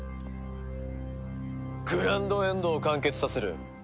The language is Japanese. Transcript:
グランドエンドを完結させる。